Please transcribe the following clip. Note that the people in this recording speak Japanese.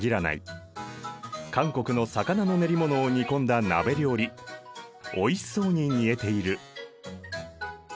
韓国の魚の練り物を煮込んだ鍋料理おいしそうに煮えている。